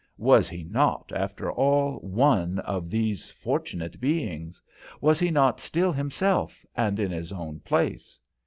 Was he not, after all, one of these fortunate beings? Was he not still himself, and in his own place?